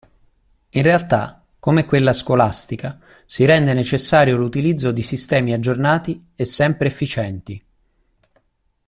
In una realtà come quella scolastica, si rende necessario l'utilizzo di sistemi aggiornati e sempre efficienti.